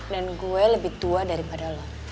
dan gue lebih tua daripada lo